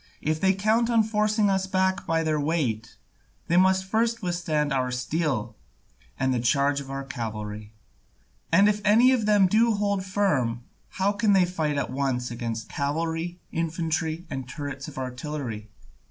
If they count on forcing us back by their weigh, they must first withstand our steel and the charge of our cavalry. And if any of them do hold firm, how can they fight at once against cavalry, infantry, and turrets of artillery?